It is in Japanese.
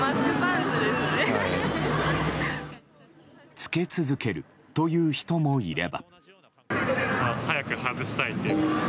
着け続けるという人もいれば。